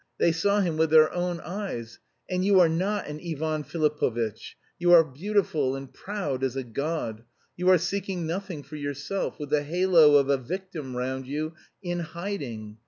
They saw him with their own eyes. And you are not an Ivan Filipovitch. You are beautiful and proud as a God; you are seeking nothing for yourself, with the halo of a victim round you, 'in hiding.'